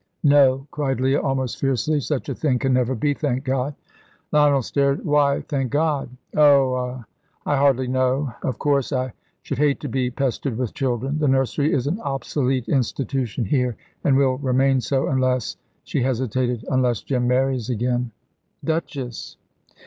"No," cried Leah, almost fiercely; "such a thing can never be, thank God." Lionel stared. "Why 'thank God'?" "Oh er I hardly know; of course, I should hate to be pestered with children. The nursery is an obsolete institution here, and will remain so, unless" she hesitated "unless Jim marries again." "Duchess!"